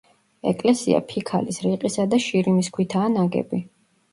ეკლესია ფიქალის, რიყისა და შირიმის ქვითაა ნაგები.